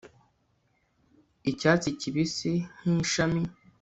icyatsi kibisi, nk'ishami